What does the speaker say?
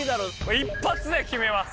一発で決めます！